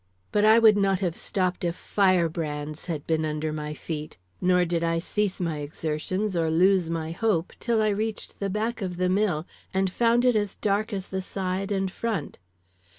But I would not have stopped if firebrands had been under my feet, nor did I cease my exertions or lose my hope till I reached the back of the mill and found it as dark as the side and front.